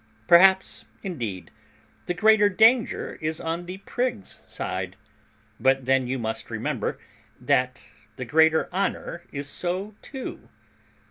Perhaps, indeed, the greater danger is on the prig's side; but then you must remember that the greater honour is so too.